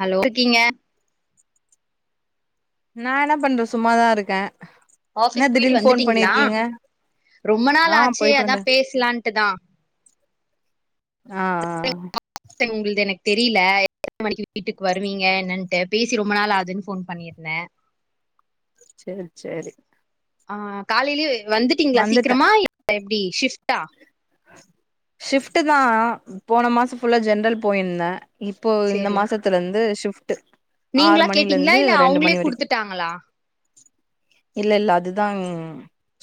Hello ட்ருக்கீங்க நா என்ன பண்ற சும்மாதா இருக்கே என்ன ஆபிஸ் பொயிட்டு திடீர்னு ஃபோன் வந்துட்டீங்ளா பண்ணிருக்கீங்க ரொம்ப நாள் ஆ ஆச்சே போயிட்டு அதா வந்தே பேசலான்ட்டுதா ஆ ஆ [unintelligible] உங்கள்து எனக்கு தெரிய்ல எத் மணிக்கு வீட்டுக்கு வருவீங்க என்னன்ட்டு பேசி ரொம்ப நாள் ஆதுன் போன் பண்ணிருந்தேன் சேர் சேரி ஆஹ் காலைலயே வந்துட்டீங்ளா வந்துட்டே சீக்ரமா டி ஷிஃப்ட்டா ஷிஃப்ட்டு தா போன மாசொ ஃபுல்லா ஜென்ரல் போயிந்தே இப்போ இந்த மாசத்துலந்து ஷிஃப் புட்டு நீங்ளா கேட்டிங்ளா இல்ல அவுங்ளே குடுத்துட்டாங்களா இல்ல இல்ல அதுதா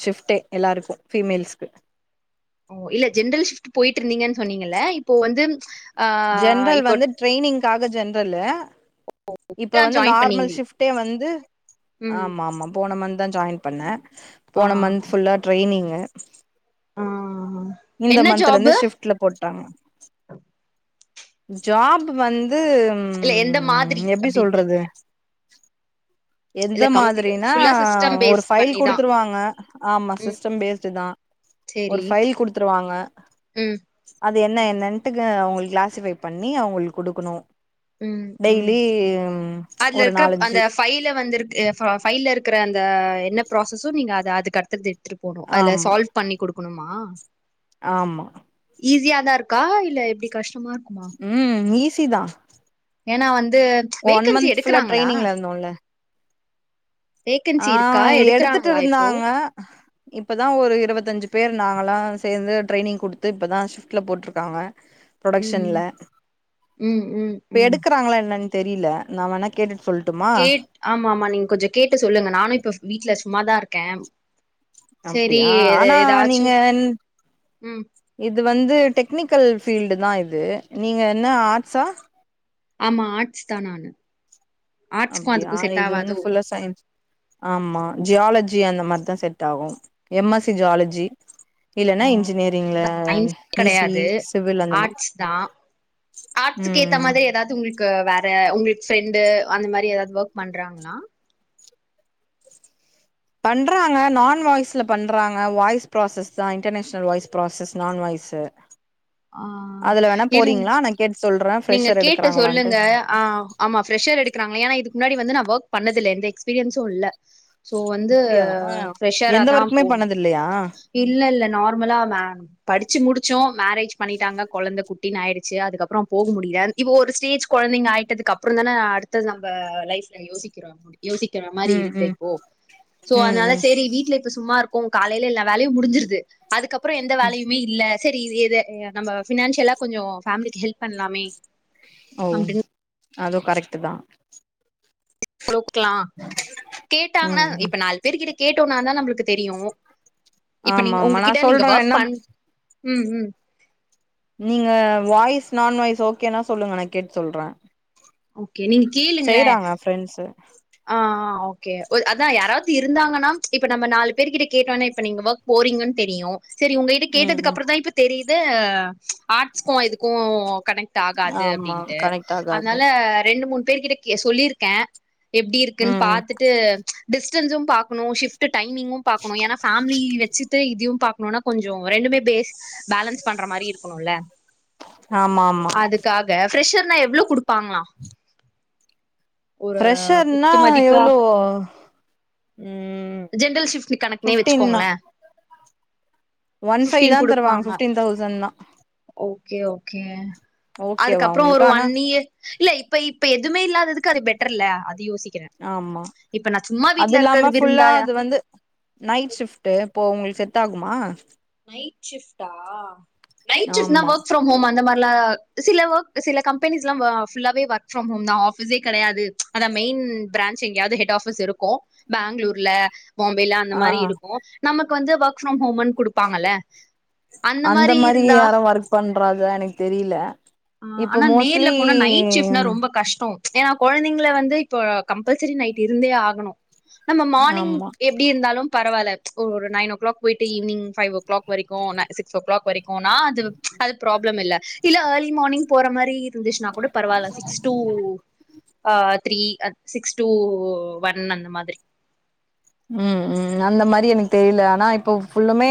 ஷிஃப்ட்டே எல்லாருக்கு ஃப்பீமேல்ஸ்க்கு ஓ இல்ல ஜென்ரல் ஷிஃப்ட் பொயிட் ட்ருந்திங்கன் சொன்னிங்கல இப்போ வந்து ஆ ஜென்ரல் இப்போ வந்து ட்ரெய்னிங்க்காக ஜென் ரல்லு இப்ப இப்பதா வந்து ஜாயின் பண்ணீங்க நார்மல் ஷிப்டே வந்து ம் ஆமா ஆமா போன மன் தா ஜாயின் பண்ண ஆ போன மந்த் ஃபுல்லா ட்ரெய்னிங் ஆ இந்த என்ன மந்த்தலந்து ஜாபு ஷிப்ட்ல போட்டாங்க ஜாப் வந் து இல்ல எந்த மாதிரி ம் எப்டி அப்டின்னு சொல்றது கேக்குறே எந்த இல்ல கம்ப்யூ மாதிரினா ஃபுல்லா சிஸ்டம் ஒரு பேஸ் ஃபைல் பண்ணிதா குடுத்துருவாங்க ஆமா ம் சிஸ்டம் பேஸ்டு தா ஒரு சேரி ஃபைல் குடுத்துருவாங்க ம் அது என்ன என்னன்ட்டு உங்குள் கிளாஸ் ஸிஃபை பண்ணி அவ்ங்ளுக் குடுக்குனோ ம் ம் அத்ல ஒரு இருக்குற அந்த நாலஞ்சு ஃபைல வந்துருக் ஃபைல்ல இருக்குற அந்த என்ன ப்ராசஸோ நீங்க அத அதுக்கட்தது த்ட்டு போனோ அல சால்வ் பண்ணி குடுக்குணும்மா ஆம்மா ஈஸியா தா இருக்கா இல்ல எப்டி கஷ்டமா இருக்குமா ம் ஈஸ் சிதா ஏன்னா வந் ஒன் மந்த் ஃபுல்லா ட்ரெய்னிங்ல இருந்தோல ஆ வேகன்சி இருக்கா எடுக்கறாங்களா இப்போ எடுத்துட்டுர்ந்தாங்க இப்ப தா ஒரு இருவத்தஞ்சு பேர் நாங்களா சேந்து ட்ரெய்னிங் குடுத்து இப்ப தா ஷிஃப்ட்ல போட்ருக்காங்க ம் ப்ரொடக்ஷன்ல ம் ம் ம் எடுக்றாங்ளா என்னன் தெரில நா வேணா கேட்டு கேட் ஆம்மா ஆம்மா நீங் கொஞ்சோ கேட்டு சொல்லுங்க நானு இப்ப வீட்ல சும்மாதா இருக்க அப்டியா ஆனா நீங்க ம் இது வந்து டெக் னிக்கல் ஃபீல்ட்டு தா இது நீங்க என்ன ஆட்ஸா ஆமா ஆட்ஸ் தா நானு ஆர்ட்ஸ்க்கு அப்டியா அதுக்கு செட் இது வந்து ஆவாதோ ஃபுல்லா சயின்ஸ் ஆம்மா ஜியால ஜி அந்த மாரி தா செட் ஆவு எம் எஸ் சி ஜியாலஜி ஓ சயின்ஸ் சி கெடயாது இ சிவில் அந்த மாரி ஆட்ஸ் தா ஆட்ஸ்க்கு ஏத்த ம் மாதி ஏதாது உங்ள்க்கு வேற உங்ளுக் ப்ரண்டு அந்த மாரி ஏதாது ஒர்க் பண்றாங்ளா பண்றாங்க நான் வாய்ஸ்ல பண்றாங்க வாய்ஸ் ப்ராசஸ் தா இன்டர்நேஷ்னல் வாய்ஸ் ப்ராசஸ் நான் வாய்ஸ் ஆ அதுல வேணா இரு போறீங்களா நா கேட்டு சொல்றே நீங்க ஃப்ரெஷர் கேட்ட எடுக்கறாங்களான்ட்டு சொல்லுங்க ஆஹ் ஆமா ஃரெஷர் எடுக்கிறாங்கள ஏன்னா இதுக்கு முன்னாடி வந்து நான் ஒர்க் பண்ணதுல இரு எக்ஸ்பீரியன்ஸும் இல்ல சோ வந்து அப்டியா ஃப்ர்ரெஷரா எந்த தான் ஒர்க்குமே போணும் பண்ணது இல்லையா இல்லல்ல நார்மலா ஆ படிச்சு முடிச்சம் மேரேஜ் பண்ணிட்டாங்க குழந்தை குட்டின்னு ஆயிடுச்சு அதுக்கப்புறம் போக முடியல இவ ஒரு ஸ்டேஜ் குழந்தைங்க ஆயிட்டதுக்குப்புறம் தான நான் அடுத்தது நம்ம லைஃப்ல யோசிக்கிறோம் யோசிக்கிற மாரி ம் இருக்கு ம் இப்போ சோ ம் அதனால ம் சரி வீட்ல இப்ப சும்மா இருக்கும் காலையில எல்ல வேலையும் முடிஞ்சிருது அதுக்கப்புறம் எந்த வேலையுமே இல்ல சரி இது ஏது நம்ம ஃபினான்சியலா கொஞ்சம் ஃபேமிலிக்கு ஹெல்ப் பண்லாமே ஓ அப்டின்னு அதுவும் கரெக்ட் தான் க்கலாம் கேட்டாங்கன்னா ம் ம் இப்ப நாலு பேரு கிட்ட கேட்டோனா தான் நம்மளுக்கு தெரியும் ஆமா ஆமா நான் சொல்றேன் ஒர்க் வேண்னா பண் ம் ம் நீங்க வாய்ஸ் நான் வாய்ஸ் ஓகேனா சொல்லுங்க நான் கேட் சொல்றேன் ஓகே நீங்க கேளுங்கள ஃப்ரெண்ட்ஸு ஆ ஆ ஓகே ஓகே ஒரு அதான் யாராவது இருந்தாங்கன்னா இப்ப நம்ம நாலு பேர்க கிட்ட கேட்டோம்னா இப்ப நீங்க ஒர்க் போறீங்கன்னு தெரியும் சரி உங்ககிட்ட ம் கேட்டதுக்கு ம் அப்புற தான் இப்போ தெரியு [unintelligible] ஆர்ட்ஸ்கும் இதுக்கும் கனெக்ட் ஆகாது ஆமா அப்படின்ட்டு கனெக்ட் ஆகாது அதனால ரெண்டு மூன் பேர் கிட்டக்க சொல்லியிருக்கேன் எப்படி இருக்குன்னு ம் ம் பாத்துட்டு டிஷ் க்கன்சு பார்க்கணும் ஷிப்ட் டைமிங்கும் பார்க்கணும் ஏன்னா பேம்லி வச்சுட்டு இதுையும் பார்க் னா கொஞ்சம் ரெண்டுமே பேஸ பேலன்ஸ் பண்ற மாரி இருக்கணும்ல ஆமா ஆமா அதுக்காக ஃப்ரெஷர்னா எவ்வளவு குடுப்பாங்களா ஒரு ஃபிரெஷர் ன குத்து மதிப்பா எவ்ளோ [inaudible] ஜென்ரல் ஷிப்ட் கணக்குனே ஃபிப்டீன் தா வச்சுக்கோங்கள ஒன் ஃபைவ் தா தருவாங்க ஃபிப்டீன் தௌசண்ட் தா ஓகே ஓகே ஓகேவா அதுக்கப்புறோ உங்களுக்கு ஒரு ஆனா ஒன் இயர் இல்ல இப்ப இப்ப எ எதுமே இல்லாததுக்கு அது பெட்டர் இல்ல அது யோசிக் ஆமா அது இருக்கறது இல்லாம ஃபுல்லா விருந்தா இது வந்து நைட் ஷிப்ட் இப்போ உங்களுக்கு செட் ஆகுமா நைட் ஷிப்ட்டா நைட் சிப்ட்னா ஆமா வொர்க் ஃப்ரம் ஹோம் அந்த மாரி ல சில ஒர்க் சில கம்பெனிஸ் எல்லா ஃபுல்லாவே வொர்க் ஃப்ரம் ஹோம் தா ஆபிஸே கெடையாது அத மெயின் பிரான்ச் எங்கயாவது ஹெட் ஆபீஸ் இருக்கு பேங்களூர்ல பாம்பைல அந்த ஆ மாரி இருக்கு நம க்கு வந்து வொர்க் ப்ரம் ஹோம் குடு ப்பாங்கல அந்த மாரி யாரு ஒர்க் பண்றது எனக்கு தெரியல ஆ இப்போ ஆனா மோஸ்ட்லி ஏனா கொழந்தைங்கள வந்து இப்போ கம்பல்சரி நைட் இருந்தே ஆகணு நம்ம மார்னிங் ஆமா எப்படி இருந்தாலு பரவால்ல ஒரு நயனோ கிளாக் போயிட்டு ஈவினிங் ஃபைவ்வோ கிளாக் வரைக்கு ந சிக்சோ கிளாக் வரைக் குனா அது அது ப்ராப்ளம் இல்ல இல்ல ஏர்லி மார்னி்ங் போற மாரி இருந்துச்சினா கூட பரவால்ல சிக்ஸ் டூ அ த்ரீ சிக்ஸ் டூ ஒன் அந்த மாதிரி ம் உம் அந்த மாரி எனக்கு தெரில ஆனா இப்ப ஃபுல்லுமே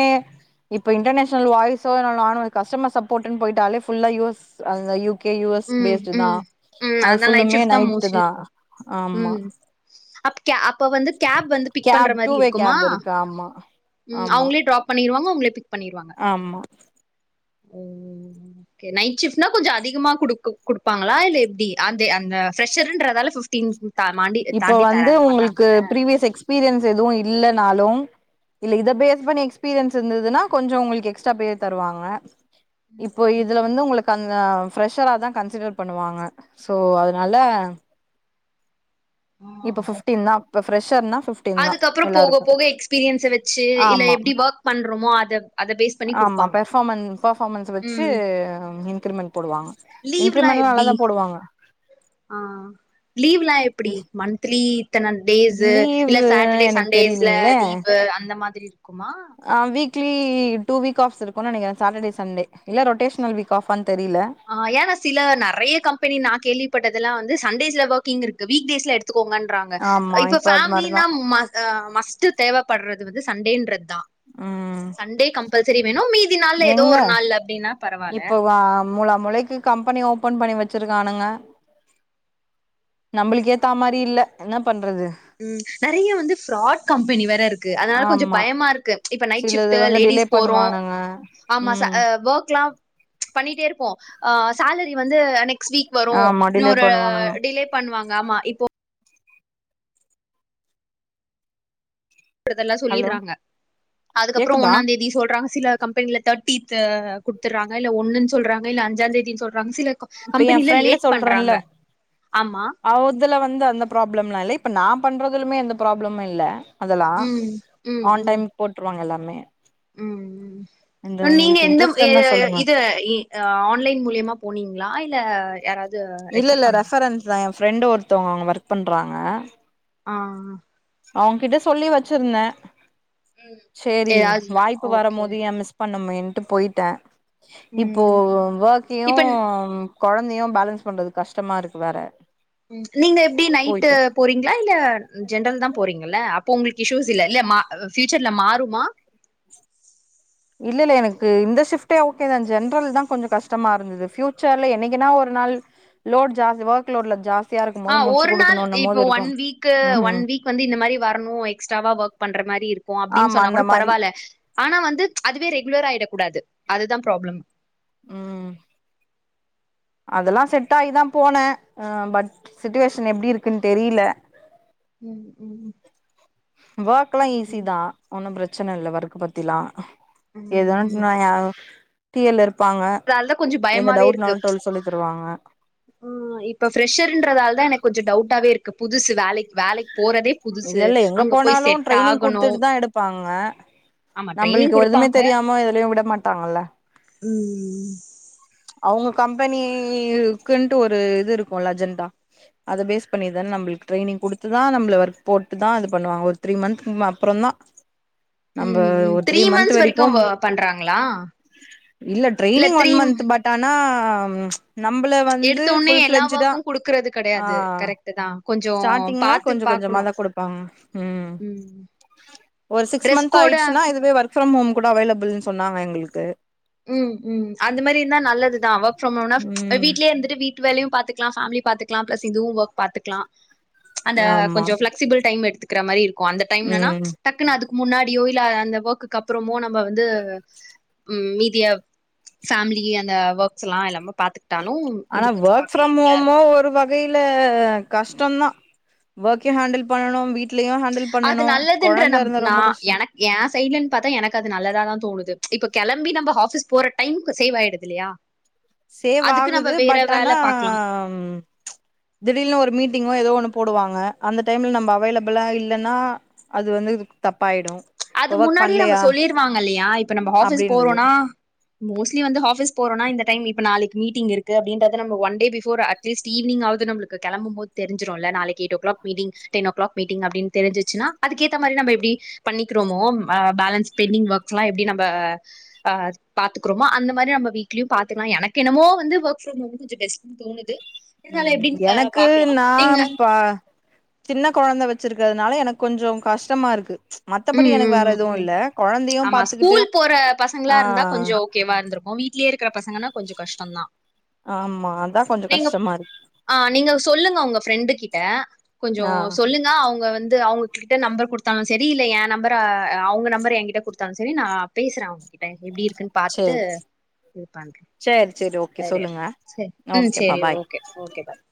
இப்ப இன்டர்நேஷனல் வாய்ஸ் ஓவர்ல நானு ஒரு கஸ்டமர் சப்போர்ட்ன் போயிட்டாளே ஃபுல்லா யு எஸ் அந்த யூ யு கே ம் பேஸ்டு தா ம் ம் அது அதா நைட் ஃபுல்லுமே ஷிஃப்ட் நைட்டு மோஸ்ட்லி தா இருக்கு ஆமா ம் அப்ப கே அப்ப வந்து கேப் வந்து பிக் பண்ற கேப் டூ மாரி வே இருக்குமா கேப் இருக்கு ஆமா ம் ஆமா அவங்களே ட்ராப் பண்ணிருவாங்க உங்கள பிக் பண்ணிருவாங்க ஆமா ம் ஓகே நைட் ஷிப்ட்னா கொஞ்ச அதிகமா குடுக் குடுப்பாங்களா இல்ல எப்படி அந்த அந்த பிரஷர்ன்றதால ஃபிப்டீன் இப்ப வந்து உங்களுக்கு ப்ரிவியஸ் எக்ஸ்பீரியன்ஸ் எதுவு இல்லனாலு இல்ல இத பேஸ் பண்ணி எக்ஸ்பீரியன்ஸ் இருந்ததுன்னா கொஞ்சோ உங்களுக்கு எக்ஸ்ட்ரா பே தருவாங்க இப்போ இதுல வந்து உங்களுக் கங்க ஃப்ரெஷரா தா கன்சிடர் பண்ணுவாங்க சோ அதனால ஆ இப்ப ஓ ஃபிப்டீன் தா பப் ப்ரெஷர்னா ஃபிப்டீன் தான் அதுக்கப்புறம் போக எல்லாருக்கும் போக எக்ஸ்பீரியன்ஸ வச்சு இல்ல ஆமா எப்டி வொர்க் பண்றோமோ அத அத பேஸ் பண்ணி ஆமா குடுப்பாங்க. பெர்ஃபார்மன் பர்ஃபார்மன்ஸ்ஸ வச்சு ம். இன்கிரிமென்ட் போடுவாங்க இன்கிரிமெண்ட்லாம் நல்ல தான் போடுவாங்க ஆஹ் லீவ்லாம் எப்படி மந்த்லி இத்தன டேஸ்ஸு இல்ல லீவு சாட்டர்டே எனக்கு சண்டேஸ்ல தெரியலீங்களே லீவு அந் இந்த மாதிரி இருக் கும்மா க்ளி டூ வீக் ஆஃப்ஸ் இருக்கும் நெனைக்கறேன் சாட்டர்டே சண்டே இல்ல ரொட்டேஷனல் வீக் ஆஃப் ஆனு ஆஹ் ஏன்னா சில நெறைய கம்பெனி நான் கேள்விப்பட்டதெல்லாம் வந் து சண்டேஸ்ல வர்க்கிங் இருக்கு வீக்டேஸ்ல எடுத் துக்கோங்கன்றாங்க ஆமா இப்ப அது மாரிதா ஃபேமிலினா ம அஹ் மஸ்ட்டு தேவப்படுறது அது வந்து சண்டேன்றது உம் பல்சரி வேணும் மீ தி நாள்ல ஏதோ ஒரு நாள்ல அப்டின்னா பரவால்ல இப்ப வா முலா முளைக்கு கம்பெனி ஓபன் பண்ணி வெச்சிருக்கானுங்க நம்பளுக்கு ஏத்தா மாரி இல்ல என்னப் உம் நெறைய வந்து ஃப்ராட் கம்பெனி வேற இருக்கு அதனால கொஞ்சம் ஆமா பயமா இருக்கு இப்ப நைட் சிலது ஷிப்ட்டு வந்து டிலே லேடிஸ் போறோம் பண்ணுவானுங்க ஆமா ஸ ம் அஹ் வர்க்லாம் பண்ணிட்டே இருப்போம் ஆ சேலரி வந்து அன்னைக் நெக்ஸ்ட் வீக் வரும் ஆமா டிலே இன்னொரு பண்ணுவானுங்க டிலே பண்ணுவாங்க ஆமா இப்போ க்கறதெல்லாம் ஹலோ சொல்லிட்றாங்க அதுக்கப்புறம் கேக்குதா ஒன்னாந் தேதி சொல்றாங்க சில கம்பெனில தேர்ட்டித்து குடுத்துடுறாங்க இல்ல ஒன்னுன்னு சொல்றாங்க இல்ல அஞ்சாந் தேதினு சொல் ரம் சில இப்ப என் கம்பெனில ஃப்ரெண்டு லேட் பண்றாங்க சொல்றேன்ல ஆமா ந்து அந்த ப்ராப்ளம்லா இல்ல இப்ப நான் பண்றதலுமே எந்த ப்ராப்ளமும் இல்ல அதெல்லாம் ம் ஆன் டைம் போட்டுருவாங்கல்ல மெ உம் ம் நீங்க எந்த இன்ட்ரெஸ்ட் எ இருந்தா எ சொல்லுங்க இது இ ஆன்லைன் மூலயமா போனீங்களா இல்ல யாராவது இல்ல ரெஃபர் இல்ல பண்ணாங்களா ரெஃபரன்ஸ் தா என் ஃப்ரெண்டு ஒருத்தவங்க அவங்க வொர்க் பண்ணுறாங்க ஆஹ் அவங்கிட்ட சொல்லி வச்சிருந்தேன் சேரி ஏதாவது வாய்ப்பு வரும் ஓகே போது ஏ மிஸ் [unintelligible] வுட்டு போயிட்டேன் இப்போ ம் இப்ப வெர்க்கயும் கொழந்தயு பேலன்ஸ் பண்றது கஷ்டமா இருக்கு வேற ம், நீங்க எப்டி நைட்டு போயிட்டே போறீங்களா இல்ல ஜென்ரல் தா போறீங்கள்ள உங்களுக்கு இஸ்யூஸ் இல்லல பியூச்சர்ல மாறுமா இல்ல ல்ல எனக்கு இந்த ஷிப்டே ஓகே தா ஜென்ரல் தா கொஞ்சோ கஷ்டமா இருந்தது பியூச்சர்ல என்னைக்குனா ஒரு நாள் லோட் ஜாஸ்தி ஒர்க் லோட் ல ஜாஸ்தி ஆ ஒரு நாள் இப்போ ஒன் வீக்கு ஒன் ம் வீக் வந்து இந்த மாரி வரணும் எக்ஸ்ட்ராவா ஒர்க் பண்ற மாரி இருக் ஓ அப்டினு ஆமா சொன்னா அந்த கூட மாரி பரவால்ல ஆனா வந்து ச்சு அதுவே ரெகுலர் ஆயிட கூடாது அதுதான் ப்ராப்ளம் உம் அதெலா செட் ஆகிதான் போனேன் பட் சிட்டு வேஷன் எப்டி இருக்குனு தெரியல உம் உம் வொர்க்லா ஈசி தா ஒன்னு பிரச் பிரச்சனை இல்ல ஒர்க் பத்திலா எதனாச்சுனா யாரு தீயலர் துனாலதா கொஞ்சோ பயமாவே இருக்கு ச்சு சொல்லி தருவாங்க ஆ இப்ப பெரஷர்ன்றதால தா எனக்கு கொஞ்சோ டவுட் [unintelligible] இருக்கு புதுசு வேலைக் வேலைக் இல்ல எங்க போனாலு ட்ரைனிங் ஆகணும். குடுத்துட்டு தா எடுப்பாங்க ஆமா ட்ரைனிங் நம்பள்க்கு எதுமே தெரியாம எதுலையு விட மாட் டாங்கல உம் உம் அவ்ங்க கம்பெனிக்குன்ட்டு ஒரு இது இருக்குல்ல அஜெண்டா அத பேஸ் பண்ணிதான நம்பள்க்கு ட்ரைனிங் குடுத்துதா நம்பள ஒர்க் போட்டுதா இது பண்ணுவாங்க ஒரு த்ரீ மந்த்க்கு முன்ன அப்றந்தா உம் உம் உம் த்ரீ மந்த்ஸ் வரைக்கு அங்க பண்றாங்ளா இல்ல த்ரீம் ஆ ம்ச் நம்மள வந்து உடனே புஃல் எல்லா பிளஜ்டா ஒர்க்கும் குடுக்கறது ஆ கெடையாது கரெக்ட் தான் கொஞ்சோ ஸ்டாட்டிங்ல பாத்து கொஞ்ச பாக்கணு கொஞ்சமாதா குடுப்பாங்க ம் ஒரு சிக்ஸ் ட்ரெஸ் மந்த் கோடா ஆயிடுச்சுனா இதுவே ஒர்க் ப்ரம் ஹோம் கூட அவைலபிள்னு சொன்னாங்க எங்களுக்கு உம் உம் அந்த மாரி இருந்தா நல்லதுதா வொர்க் ப்ரம் ஹோம்னா ம்ச் ம் வீட்லயே இருந்துட்டு வீட்டு வேலையும் பாத்து லாம் பேமிலி பாத்துக்லா பிளஸ் இதுவு ஒர்க் பாத்துக்லா ப்ச் அந்த ஆமா கொஞ்சோ ஃபிளெக்சிபிள் டைம் எடுத்து இருக்க மாரி அந்த டைம்லனா ம் ப்ச் டக்குனு அது முன்னாடியோ இல்ல அந்த வொர்க்கு அப்றமோ நம் ம வந்து ம் மீ தி பேமிலி அந்த ஒர்க்ஸ் எல்லா எல்லாமே பாத்து ஆனா வொர்க் ஃப்ரம் ஹோமு ஒரு வகையில கஷ்டம் தான் ஒர்க்க ஹேண்டில் பண்ணனும் வீட்டு அது நல்லதுன்ற நம் நா ரொம்ப கஷ்டோ எனக் ஏ சைட்லன்னு பாத்தா எனக்கு அது நல்லதா தான் தோணுது இப்ப கிளம்பி நம்ம ஹாஃபிஸ் போற டைம்க்கு சேவ் ஆயிடுது இல்லையா சேவ் அதுக்கு நம்ம ஆகுது வேற ஃபட் வேல ஆனா பாக்கலாம் திடீனுனு ஒரு மீட்டிங்கோ ஏதோ ஒன்னு போடுவாங்க அந்த டைமில்ல நம்ப அவைலபிளா இல்லைன்னா அது வந்து தப்பாயிடும் அது முன்னாடியே நம்ம சொல்லிருவாங்க இல்லையா இப்ப நம்ம ஹாஃபீஸ் அப்டின்றது போறோம்னா மோஸ்ட்லி வந்து ஹாஃபிஸ் போறோனா இந்த டைம் இப்ப நாளைக்கு மீட்டிங் இருக்கு அப்படின்றது நம்ப ஒன்டே பிஃபோர் அட்லீஸ்ட் ஈவினிங்காவது நம்மளுக்கு கிளம்பும் போது தெரிஞ்சிரும் இல்ல நாளைக்கு eight o'clock meeting ten o'clock meeting அப்டின் தெரிஞ்சிர்ச்சுனா அதுக்கேத்த மாதிரி நம் இப்டி பண்ணி க்ரோமோம் ஆ ஃபேலன்ஸ் பெண்டிங் ஒர்க்ஸ்லாம் எப்டி நம்ப ஆ பாத்துக்குறோமோ அந்த மாரி நம்ம வீட்லயும் பாத்துக்கலாம் எனக்கென்னமோ வந்து வொர்க் ஃபிரம் ஹோம் கொஞ்ச பெஸ்டோன் தோணுது இருந்தாலும் உம் எப்படின்னு எனக்கு பாக்கலாம் நா நீங்க ப சின்ன கொழந்த வச்சு வச்சுருக்கிறதுனால எனக்கு கொஞ்ச கஷ்டமா இருக்கு மத்தபடி உம் எனக்கு உம் வேற உம் எதுவு உம் இல்ல கொழந்தையு ஆமா பாத்துக்கிட்டு ஸ்கூல் போற பசங்களா ஆ இருந்தா கொஞ்சம் ஓகேவா இருந்திருக்கும் வீட்லயே இருக் இருக்கிற பசங்கனா கொஞ்ச கஷ்டம்தா ஆமா அதா கொஞ்சோ நீங்க கஷ்டமா இருக்கு ஆ நீங்க சொல்லுங்க உங்க ஃப்ரெண்டு கிட்ட கொஞ்சோ ஆ சொல்லுங்க அவங்க வந்து அவங்க கிட்ட நம்பர் குடுத்தாங்க சேரி கீழ எ நம்பர் அவங்க நம்பர் என்கிட்ட குடுத்தாலும் சரி நா பேசுறேன் அவ்ங்ககிட்ட எப்படி இருக் பாத்துட்டு சேரி பண்ற சேரி சேரி ஓகே சொல்லுங்க சேரி ஓகேப்பா சேரி பாய் ஓகே ஓகே ஃபாய்